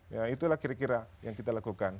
ya itulah kira kira yang kita lakukan